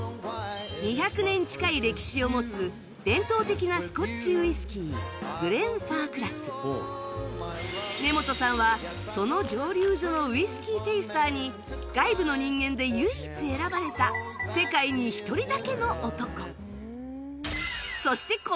２００年近い歴史を持つ伝統的な根本さんはその蒸留所のウイスキーテイスターに外部の人間で唯一選ばれた世界に１人だけの男